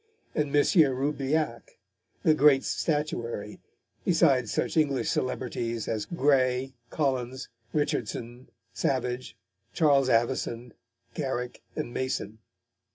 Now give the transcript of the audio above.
Roubilliac, the great statuary, besides such English celebrities as Gray, Collins, Richardson, Savage, Charles Avison, Garrick, and Mason.